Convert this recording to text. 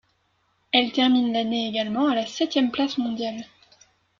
Elle termine l'année également à la septième place mondiale.